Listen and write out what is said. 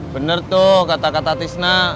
bener tuh kata kata tisna